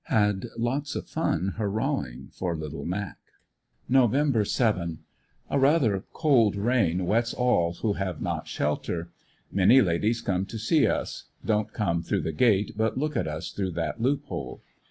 Had lots of fun hurrahing for ''Little Mac." Nov. 7. — A rather cold rain wets all who haye not shelter. Many ladies come to see us; don't come through the gate, but look at us through that loophole.